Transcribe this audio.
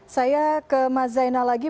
saya ke mas zainal lagi